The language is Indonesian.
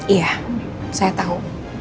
iya saya tau